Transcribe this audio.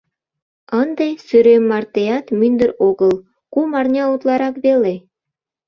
Ынде Сӱрем мартеат мӱндыр огыл, кум арня утларак веле.